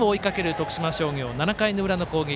徳島商業７回の裏の攻撃。